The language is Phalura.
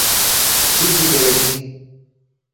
بِجیۡ گِرئنی۔